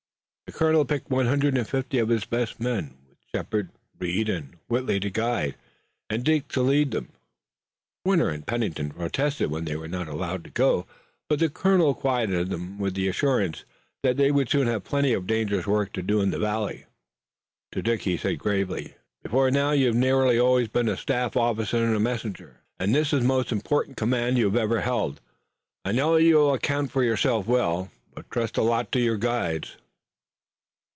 The colonel picked one hundred and fifty of his best men, with Shepard, Reed and Whitley to guide, and Dick to lead them. Warner and Pennington protested when they were not allowed to go, but the colonel quieted them with the assurance that they would soon have plenty of dangerous work to do in the valley. To Dick he said gravely: "Before now you've nearly always been a staff officer and messenger, and this is the most important command you've ever held. I know you'll acquit yourself well, but trust a lot to your guides."